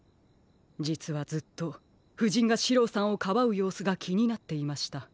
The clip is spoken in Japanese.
じつはずっとふじんがシローさんをかばうようすがきになっていました。